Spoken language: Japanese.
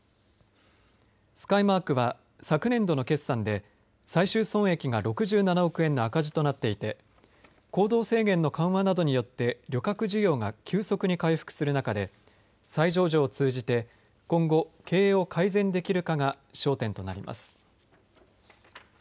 スカイマークは昨年度の決算で最終損益が６７億円の赤字となっていて行動制限の緩和などによって旅客需要が急速に回復する中で再上場を通じて今後、経営を改善できるかが焦点となります。